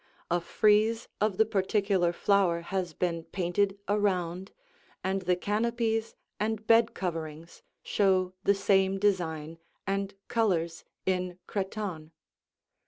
A frieze of the particular flower has been painted around, and the canopies and bed coverings show the same design and colors in cretonne.